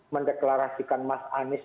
mendeklarasikan mas anies